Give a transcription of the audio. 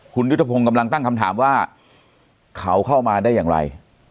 คุณยุทธพงศ์กำลังตั้งคำถามว่าเขาเข้ามาได้อย่างไร